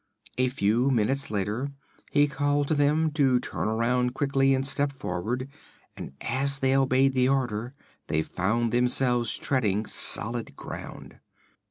A few minutes later he called to them to turn about quickly and step forward, and as they obeyed the order they found themselves treading solid ground.